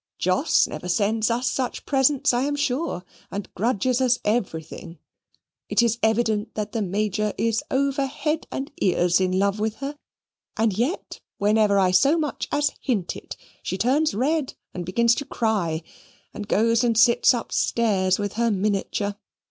"Jos never sent us such presents, I am sure, and grudges us everything. It is evident that the Major is over head and ears in love with her; and yet, whenever I so much as hint it, she turns red and begins to cry and goes and sits upstairs with her miniature.